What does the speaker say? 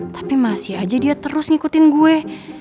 tapi masih aja dia terus ngikutin gue